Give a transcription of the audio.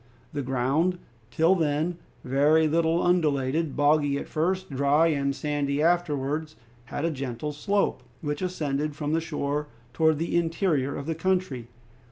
The ground, till then, very little undulated, boggy at first, dry and sandy afterwards, had a gentle slope, which ascended from the shore towards the interior of the country.